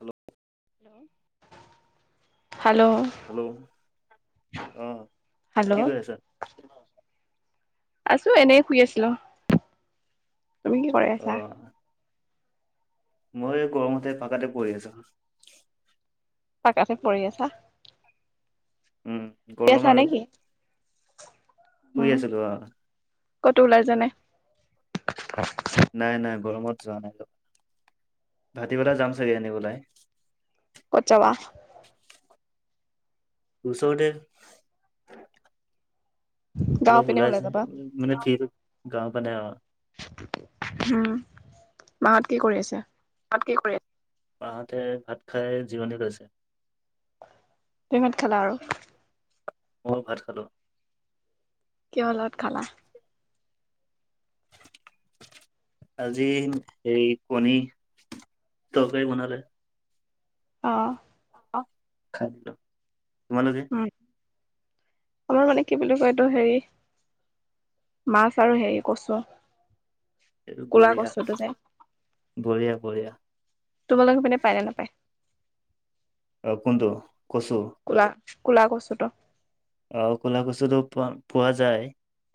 Hello hello! Hello! অঁ, hello কি কৰি আছা? আছো এনে, শুই আছিলো। তুমি কি কৰি অ আছা? মই এই গৰমতে পাকাতে পৰি আছা। পাকাতে পৰি আছা, উম শুই গৰম আছা আৰু নেকি? শুই উম আছিলো অঁ। ক'তো ওলাই যোৱা নাই? নাই নাই গৰমত যোৱা নাই ৰ', ভাঁতিবেলা যাম চাগে এনে ওলাই। কত যাবা? ওচৰতে। গাঁৱৰ অলপ পিনে ওলাই যাবা মানে থ্ৰী ফি গাওঁ পিনে অঁ। উম, মাহঁত কি কৰি আছে? মাহঁতে ভাত খাই জীৰণি লৈছে। কি লগত খালা আৰু? মইও ভাত খালো। কিহৰ লগত খালা? [inaudible] আজি হেৰি কণী তৰকাৰী বনালে। অ'। তোমালোকে? উম, আমাৰ মানে কি বুলি কয় এইটো হেৰি মাছ আৰু হেৰি কচু। এইটো কলা বঢ়িয়া কচুটো যে, বঢ়িয়া বঢ়িয়া তোমালোকৰ পিনে পাই নে নাপায়? অ' কোনটো কচু? কলা কলা কচুটো অ কলা কচুটো পোৱা পোৱা যায়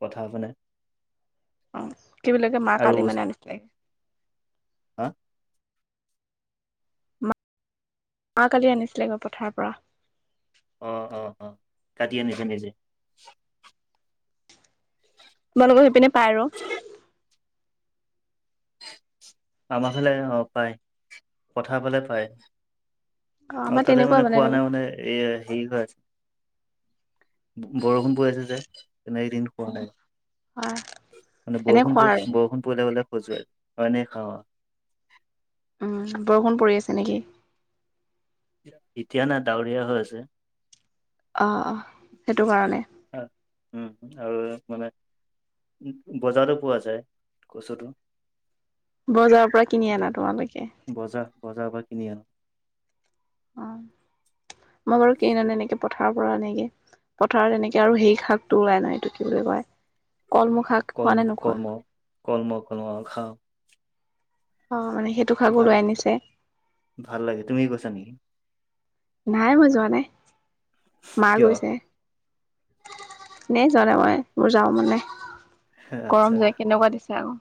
পথাৰ পিনে। অ' কি বুলি কয় মা আৰু কালি মানে আনিছিলে। হা মা কালি আনিছিলে গৈ পথাৰৰ পৰা। অ' অ', কাটি আনিছে নিজে? [inaudible] ব লগ সেই পিনে পাই ৰ আমাৰ ফালে অ পায় পথাৰ ফালে পায়। অ আৰু আমাৰ তাতে তেনেকুৱা মানে খোৱা নাই মানে এ সেই হয় আছ বু বৰষুণ পৰি আছে যে তেনেই দিনটো পোৱা নাই। হয় মানে এনে বৰষুণ খোৱা পছ আৰু বৰষুণ পৰিলে গলে খজুৱাই হয় এনে খাওঁ অ বৰষুণ পৰি আছে নেকি? এতিয়া না ডাৱৰীয়া হৈ আছে। অ অ সেইটো কাৰণে। আহ উম আৰুৱে মানে উত বজাৰো পোৱা যায় কচুটো। বজাৰৰ পৰা কিনি আনা তোমালোকে? বজাৰ বজাৰ পৰা কিনি আনো। অ [inaudible] মই বাৰু কেই নানেনে এনেকে পথাৰৰ পৰা আনেগে। পথাৰত এনেকে আৰু সেই শাকটো ওলাই নয় এইটো কি বুলি কয় কলমু শাক। খোৱা নে কলমু নোখোৱা কৰ্ম কলম কন আও খাওঁ। অ মানে সেইটো শাগো ভাল লৈ আনিছে। ভাল লাগে তুমি গৈছা নেকি? নাই মই যোৱা নাই। মা কিয় গৈছে এনেই জোৱা নাই মই মোৰ যাব নাই। আচ্ছা গৰম যে কেনেকুৱা দিছে আক,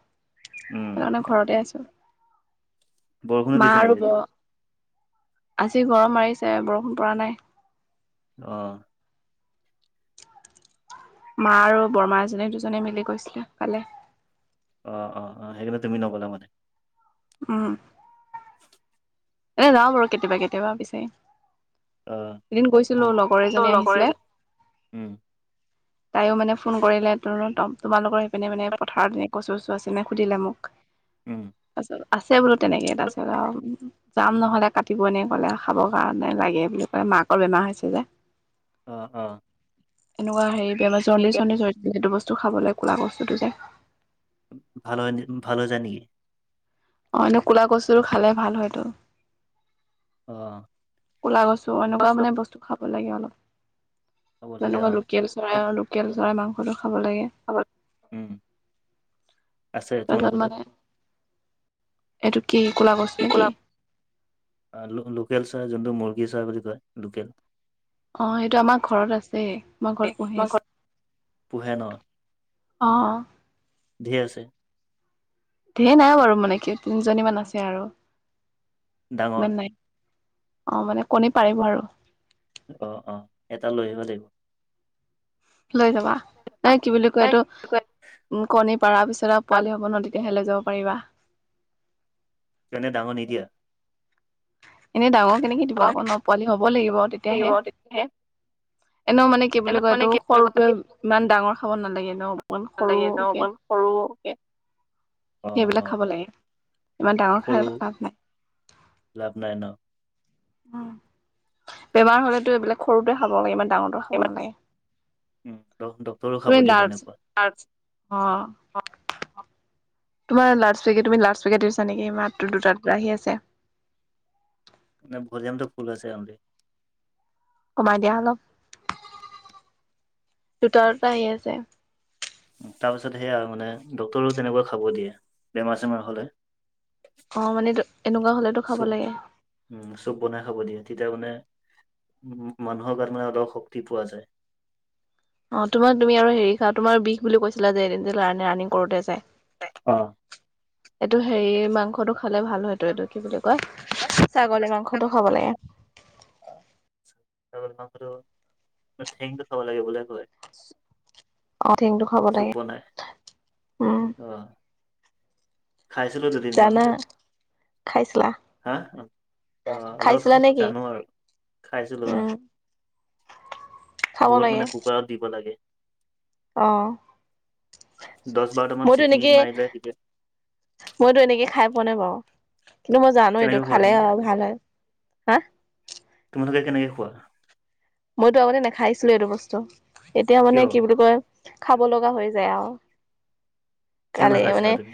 উম সেইকাৰণে ঘৰতে আছো। বৰষুণো মা দিছে নেকি আৰু ব আজি আজি গৰম মাৰিছে বৰষুণ পৰা নাই। অ। মা আৰু বৰমা এজী দুজনে মিলি গৈছিলে কালে। অ অ অ হেৰি গ'লে তুমি নগলা মানে [unintelligible] এ যাওঁ বাৰু কেতিয়াবা কেতিয়াবা পিছে। অ এদিন গৈছিলো লগৰ এজনী আহিছিলে। উম তাইও মানে ফোন কৰিলে তোৰো তম তোমালোকৰ সেইপিনে মানে পথাৰত এনে কচু চচু আছে নে সুধিলে মোক। উম। তাৰপিছত আছে বোলো তেনেকে তাৰপিছত আও যাম নহলে কাটিব এনে কলে খাবৰ কাৰণে লাগে বুলি ক'লে মাকৰ বেমাৰ হৈছে যে। অ অ। এনেকুৱা হেৰি বেমাৰ জন্দিছ চন্দিছ হৈ থাকিলে সেইটো বস্তু খাবলে কোলা কচুটো যে ভাল হয় নি ভাল যায় নেকি অ এনে ক'লা কচু খালে ভাল হয়টো। অ। কোলা কচু অনকুৱা মানে বস্তু খাব লাগে অলপ খাব লাগে যেনেকুৱা অ লোকেল চৰাইয় লো- কেল চৰাই মাংসটো খাব লাগে। [unintelligible] উম আছে তাৰপিছত তোমালোকৰ তাত। মানে এইটো কি কোলা কচু নেকি? আ লো লোকেল চাহ যোনটো মুৰ্গী চাহ বুলি কয় লোকেল। অ সেটো আমাৰ ঘৰত আছে, আমাৰ ঘৰত পোহে। পোহে ন অ। ধেই আছে। ধেই নাই বাৰু, মানে কি তিনিজনীমান আছে আৰু ডাঙৰ ইমান নাই। অ মানে কণী পাৰিব আৰু। অ অ এটা লৈ আহিব দেই। লৈ যাবা, এ কি বুলি কয় এইটো উ কণী পাৰ পিছত আৰু পোৱালি হব ন তে - তেতিয়াহে লৈ যাব পাৰিবা। এনেই ডাঙৰ নিদিয়া? এনেই ডাঙৰ কেনেকে দিব আকৌ, ন পোৱালি হব লাগিব থাকিব তেতিয়াহে, তেতিয়াহে এনেও মানে - কি এনে বুলি কয় মানে এইটো কি বুলি কয় সৰুকে ইমান ডাঙৰ খাব নালাগে ন অকমান সৰুকে - সৰুকে - সেইবিলাক খাব লাগে ইমান ডাঙৰ খাই সৰু লাভ নাই। লাভ নাই ন। উম, বেমাৰ হলেতো এইবিলাক সৰুতে খাব লাগে ইমান ডাঙৰ- উম ডক্টৰো খাব তুমি দিয়া লাৰ্জ তেনেকুৱা। অ, অ তোমাৰ লাউডস্পীকাৰ তুমি লাউডস্পীকাৰ দি থৈছা নেকি মাতটো দুটা দুটা আহি আছে। নাই ভলিয়মটো ফুল আছে সেইকাৰণে দি। কমাই দিয়া অলপ, দুটা দুটা আহি আছে। তাৰ পিছত সেয়া মানে ডক্টৰো তেনেকা খাব দিয়ে বেমাৰ চেমাৰ হলে। অ মানে টৌ এনেকুৱা হলেতো খাব চুপ লাগে। উম চুপ বনাই খাব দিয়ে, তেতিয়া মানে উম মানুহৰ গাট মানে অলপ শক্তি পোৱা যায়। অ তোমাক তুমি আৰু হেৰি খা তোমাৰ বিষ বুলি কৈছিলা যে এদিন ৰানিং কৰোতে যে - অ। এইটো হেৰি মাংসটো খালে ভাল হয়। এইটো এইটো কি বুলি কয় ছাগলী মাংসটো ছাগলী খাব লাগে। ছাগলী মাংসটো মানে ঠেংটো খাব লাগে বুলি কয়। অ ঠেংটো খাব চুপ লাগে বনাই, উম আহ। জানা, খাইছিলা? হা অ অলপ খাইছিলা নেকি? জানো আৰু খাইছিলো আহ। উম খাব বহুত লাগে মানে কুকাৰত দিব লাগে। অ দহ বাৰটামান মইতো চিটি এনেকে মাৰিলে তেতিয়া - মইতো এনেকে খাই পোৱা নাই বাৰু কিন্তু মই জানো কেনেকে এইটো খোৱা খালে তুমি আৰু ভাল হয়। হা। তোমালোকে কেনেকে খোৱা? মইতো আগতে নেখাইছিলো এইটো বস্তু, এতিয়া মানে কিয় কি বুলি কয় - খাব লগা হৈ যায় আও, কিয় খালে নাখাইছিলা মানে - তুমি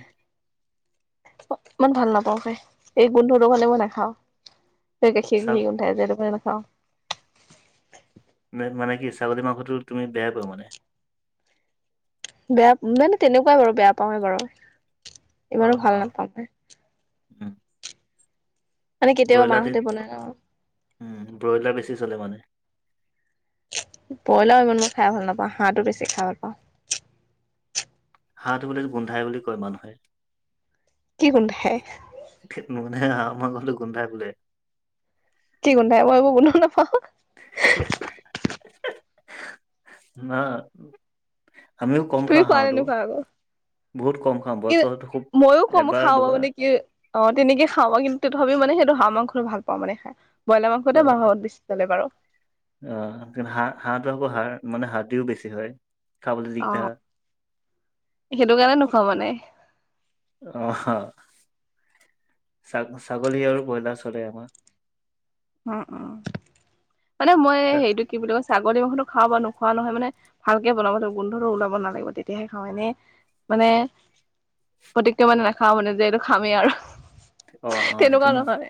ইমান ভাল নাপাও খাই, এই গোন্ধটো কাৰণে মই নাখাওঁ। এই গাখীৰ চাক গাখীৰ গোন্ধাই যে সেইটো কাৰণে নাখাওঁ। নে মানে কি ছাগলী মাংসটো তুমি বেয় পাোৱা মানে? বেয়া মানে তেনেকুৱাই বাৰু বেয়া পাওৱে বাৰু। অঁ ইমানো ভাল অঁ, নাপাওঁ মই ওম। মানে কেতিয়াবা ব্ৰইলাৰটো, মাহঁতে বনাই ন ব্ৰইলাৰ বেছি চলে মানে? ব্ৰইলাৰ‌ও ইমান মই খাই ভাল নাপাওঁ, হাঁহটো বেছি খাই ভাল পাওঁ। হাঁহটো বুলে গোন্ধাই বুলি কয় মানুহে! কি গোন্ধাই? ঠেইৎ নোগোন্ধাই হাঁহ মাংসটো গোন্ধাই বোলে। কি গোন্ধাই মই এইবোৰ গোন্ধ নাপাওঁ না আমিও তুমি কমকে খোৱা নে হাঁহটো নোখোৱা আকৌ বহুত কম খাওঁ কি বছৰটো খুব মইয়ো কম এবাৰ খাওঁ বা দুবাৰ মানে কি অ তেনেকে খাওঁ বা কিন্তু তথাপিও মানে সেইটো হাঁহ মাংসটো ভাল পাওঁ মানে খাই বইলাৰ অ মাংসতে আমাৰ ঘৰত বেছি চলে বাৰু অ কি হাঁহ হাঁহটো আকৌ হাড় মানে হাড়দিও বেছি হয় খাবলৈ অ দিগদাৰ সেইটো কাৰণে নোখোৱা মানে অ হ ছ ছাগলী আৰু ব্ৰইলাৰ চলে আমাৰ উম উম মানে মই তাত সেইটো কি বুলি কয় ছাগলী মাংসটো খাওঁ বা নোখোৱা নহয় মানে ভালকে বনাব লাগিব গোন্ধটো ওলাব নালাগিব তেতিয়াহে খাওঁ এনেই মানে পতিকে মানে নাখাওঁ মানে যে এইটো খামেই আৰু অ অ সেইটো তেনেকুৱা নো নহয়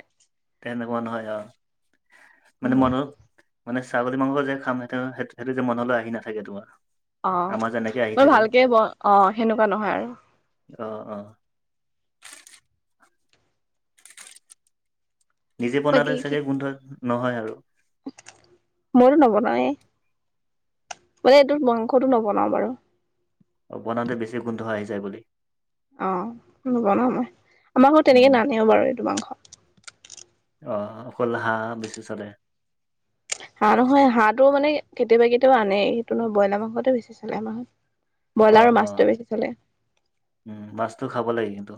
তেনেকুৱা নহয় আহ মানে উম মনত মানে ছাগলী মাংস যে খাম সেইটো সেইটো যে মনলৈ আহি নাথাকে তোমাৰ অ আমাৰ যেনেকে আহি মই থাকে ভালকে ব অ সেনেকুৱা নহয় আৰু অ অ নিজে বনালে বাকী কি চাগে গোন্ধ নহয় আৰু মইতো নবনাওয়ে মানে এইটোত মাংসটো নবনাও বাৰু অ বনাওঁতে বেছি গোন্ধ আহি যায় বুলি অ নবনাও মই আমাৰ ঘৰত তেনেকে উম নানেও বাৰু এইটো মাংস অ অকল হাঁহ বেছি চলে হাঁহ নহয় হাঁহটো মানে কেতিয়াবা কেতিয়াবা আনে সেইটো নহয় ব্ৰইলাৰ মাংস টোৱে বেছি চালে আমাৰ ঘৰত অ অ উম মছটো খাব লাগে কিন্তু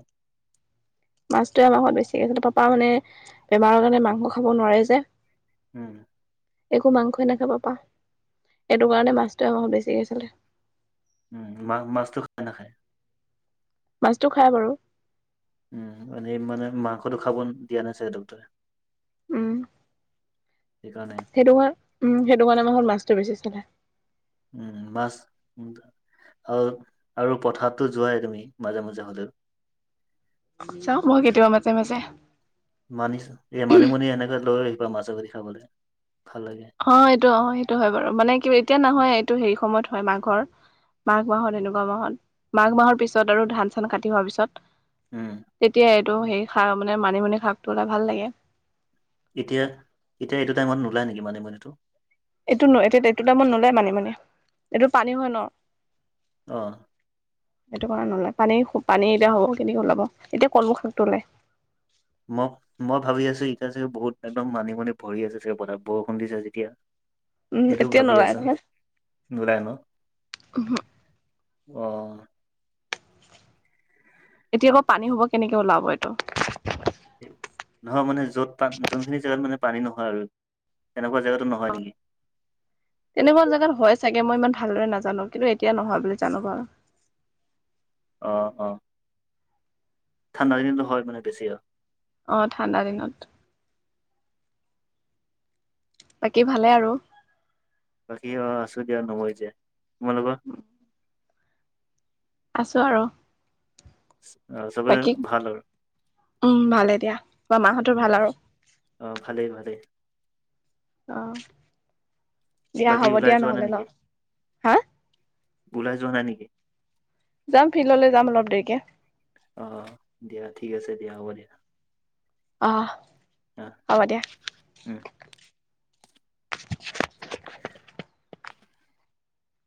মাছটোৱে আমাৰ বেছিকে চলে পাপা মানে বেমাৰৰ কাৰণে মাংস খাব নোৱাৰে যে উম একো মাংসই নাখাই পা এইটো কাৰণে মাছটোৱে আমাৰ বেছিকে চালে উম মা মাছতো খাই নাখায় মাছতো খাই বাৰু উম এনেই মানে মাংসটো খাব দিয়া নাই চাগে ডক্টৰে উম সেইকাৰণে সেইটো ঘৰ উম সেইটো কাৰণে আমাৰ ঘৰত মাছটো বেছি চলে উম মাছ উ আৰু আৰু পথাৰতটো যোৱাই তুমি মাজে মাজে হ'লেও যাও মই কেতিয়াবা মাজে মাজে মানিছো এ মানিমুনি এনেকে লৈ আহিবা মাছৰ গৰি খাবলে ভাল লাগে অ এইটো অ সেইটো হয় বাৰু মানে কি এতিয়া নহয় এইটো হেৰি সময়ত হয় মাঘৰ মাঘ মাহত এনেকুৱা মাহত মাঘ মাহৰ পিছত আৰু ধান চান কাটি হোৱাৰ পিছত উম তেতিয়া এইটো সেই খা মানে মানিমুনি শাকটো হ'লে ভাল লাগে এতিয়া এতিয়া এইটো টাইমত নোলায় নেকি মানিমুনি টো এইটো ন এতিয়াটো টাইমত নোলাই মানিমুনী এইটো পানী হয় ন অ এইটো কাৰণ নোলায় পানী পানী এতিয়া হ'ব কেনেকে ওলাব এতিয়া কলমো শাকটো ওলাই ম মই ভাবি আছো এতিয়া চাগে বহুত একদম মানিমুনি ভৰি আছে চাগে পথাৰত বৰষুণ দিছে যেতিয়া উম সেইটো এতিয়া ভাবি নোলায় আছা, নোলায় ন। অ এতিয়া আকৌ পানী হোপা কেনেকে ওলাব এইটো। নহয় মানে য'ত পান যোনখিনি জেগাত মানে পানী নহয় আৰু, তেনেকুৱা জেগাতো নহয় অ নেকি? তেনেকুৱা জাগাত হয় চাগে মই ইমান ভালদৰে নাজানো, কিন্তু এতিয়া নহয় বুলি জানো বাৰু। অ অ। ঠাণ্ডা দিনত হয় মানে বেছি আৰু। অ ঠাণ্ডা দিনত। বাকী ভালে আৰু? বাকী অ আছো দিয়া নোমৰি জীয়াই। তোমালোকৰ? আছো আৰু। আহ চবৰে বাকী ভাল আৰু উম ভালে দিয়া বা মাহঁতৰ উম। ভাল আৰু অ ভালেই ভালেই। অ দিয়া বাকী হ'ব ওলাই দিয়া যোৱা নাই নহ'লে ন? নেকি হা ওলাই যোৱা নাই নেকি? যাম ফিল্ডলৈ যাম অলপ দেৰিকে। অ দিয়া ঠিক আছে দিয়া হ'ব দিয়া। অ অ হ'ব দিয়া। উম।